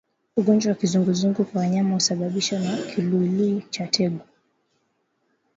Ugonjwa wa kizunguzungu kwa wanyama husababishwa na kiluilui cha tegu